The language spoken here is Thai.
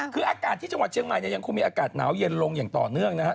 คืออากาศที่จังหวัดเชียงใหม่เนี่ยยังคงมีอากาศหนาวเย็นลงอย่างต่อเนื่องนะฮะ